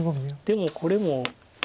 でもこれも。